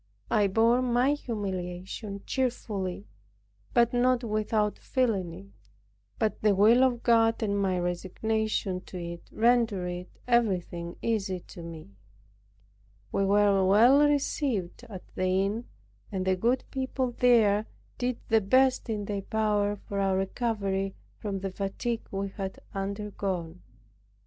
I bore my humiliation cheerfully, but not without feeling it. But the will of God and my resignation to it rendered everything easy to me. We were well received at the inn; and the good people there did the best in their power for our recovery from the fatigue we had undergone.